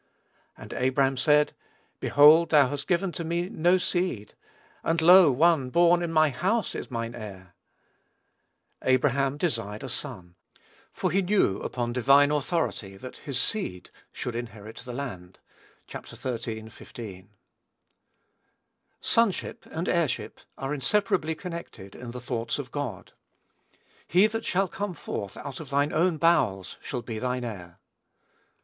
And Abram said, Behold, thou hast given to me no seed: and lo, one born in my house is mine heir." Abraham desired a son, for he knew upon divine authority that his "seed" should inherit the land. (Chap. xiii. 15.) Sonship and heirship are inseparably connected in the thoughts of God. "He that shall come forth out of thine own bowels shall be thine heir."